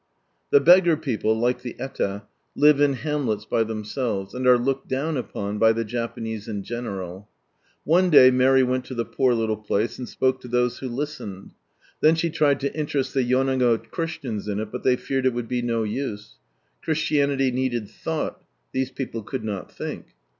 The Beggar people, like the Eta, live in hamlets hy themselves, and are looked down upon by the Japanese in general. One day Mary went to the poor little place, and spoke to those who listened. Then she tried to interest the Yonago Christians in it, but they feared it would be no use. Christianity needed thoughly these people could not think.